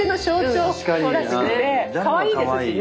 かわいいですしね。